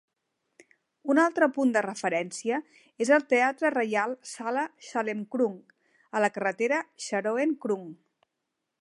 Un altre punt de referència és el Teatre Reial Sala Chalermkrung a la carretera Charoen Krung.